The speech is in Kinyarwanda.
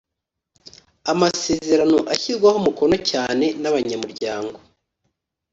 amasezerano ashyirwaho umukono cyane nabanyamuryango.